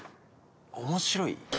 面白い？